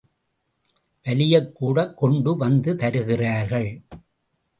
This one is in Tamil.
வலியக் கூடக் கொண்டு வந்து தருகிறார்கள்!